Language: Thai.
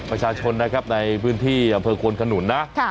ประชาชนนะครับในพื้นที่อำเภอควนขนุนนะ